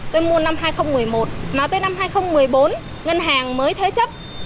tôi mua năm hai nghìn một mươi một mà tới năm hai nghìn một mươi bốn ngân hàng mới thế chấp